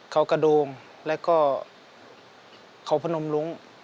เขากระดูงและก็เขาผนมรุ้ง